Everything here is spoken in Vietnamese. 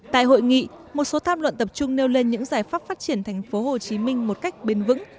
tại hội nghị một số tham luận tập trung nêu lên những giải pháp phát triển tp hcm một cách bền vững